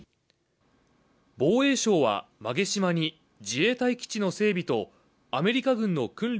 防衛省は馬毛島に自衛隊基地の整備とアメリカ軍の訓練